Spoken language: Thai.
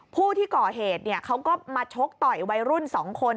ผู้ที่ก่อเหตุเขาก็มาชกต่อยวัยรุ่น๒คน